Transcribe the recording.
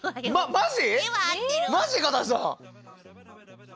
マジ？